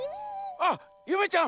あっゆめちゃん